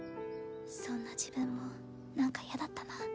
そんな自分もなんかやだったな。